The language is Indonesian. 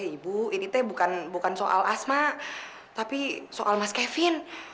ibu ini teh bukan soal asma tapi soal mas kevin